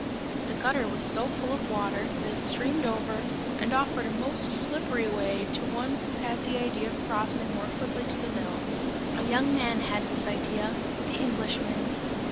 The gutter was so full of water, that it streamed over and offered a most slippery way, to one who had the idea of crossing more quickly to the mill; a young man had this idea the Englishman.